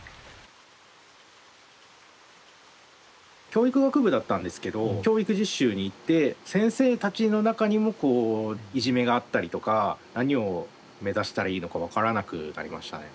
教育学部だったんですけど教育実習に行って先生たちの中にもこういじめがあったりとか何を目指したらいいのか分からなくなりましたね。